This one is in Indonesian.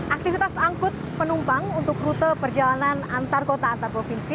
aktivitas angkut penumpang untuk rute perjalanan antar kota antar provinsi